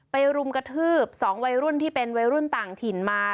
รุมกระทืบ๒วัยรุ่นที่เป็นวัยรุ่นต่างถิ่นมา